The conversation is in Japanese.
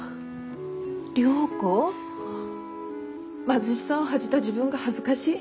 貧しさを恥じた自分が恥ずかしい。